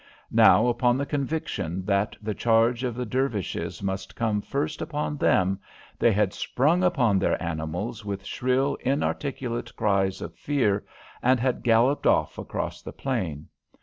Now upon the conviction that the charge of the Dervishes must come first upon them, they had sprung upon their animals with shrill, inarticulate cries of fear, and had galloped off across the plain.